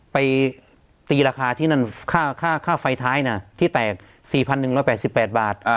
ไปตีราคาที่นั่นค่าไฟท้ายที่แตก๔๑๘๘บาท